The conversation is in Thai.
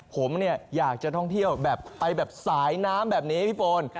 ผมอยากจะท่องเที่ยวแบบไปแบบสายน้ำแบบนี้พี่โฟน